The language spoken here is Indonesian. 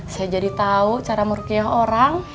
saya jadi tahu cara merukiah orang